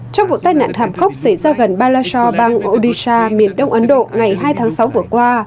trong vụ tai nạn thảm khốc xảy ra gần ba lasore bang odisha miền đông ấn độ ngày hai tháng sáu vừa qua